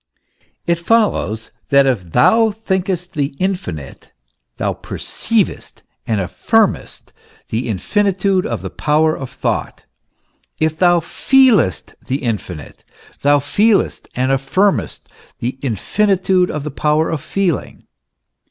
It follows, that if thou thinkest the infinite, thou perceivest and affirmest the infinitude of the power of thought ; if thou feelest the infinite, thou feelest and affirmest the infinitude of the power of feeling.